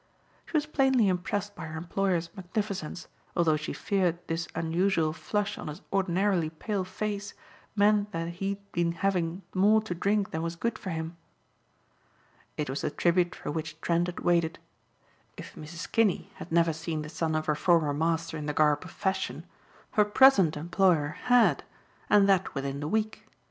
She was plainly impressed by her employer's magnificence although she feared this unusual flush on his ordinarily pale face meant that he had been having more to drink than was good for him. It was the tribute for which Trent had waited. If Mrs. Kinney had never seen the son of her former master in the garb of fashion, her present employer had, and that within the week.